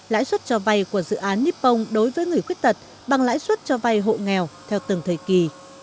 lãi suất cho vay của dự án nippon đối với người khuyết tật bằng lãi suất cho vay hộ nghèo theo từng thời kỳ